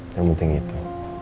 yang penting itu